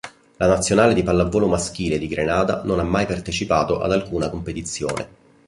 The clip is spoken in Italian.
La nazionale di pallavolo maschile di Grenada non ha mai partecipato ad alcuna competizione.